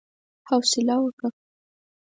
حوصله وکه!